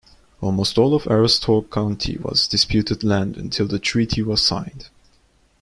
Almost all of Aroostook County was disputed land until the treaty was signed.